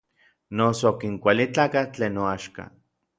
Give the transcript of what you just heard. Noso akin kuali tlakatl tlen noaxka.